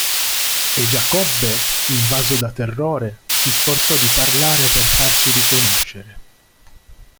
E Giacobbe invaso da terrore si sforzò di parlare per farsi riconoscere.